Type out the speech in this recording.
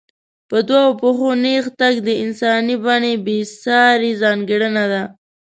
په دوو پښو نېغ تګ د انساني بڼې بېسارې ځانګړنه ده.